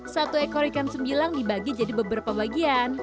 satu ekor ikan sembilang dibagi jadi beberapa bagian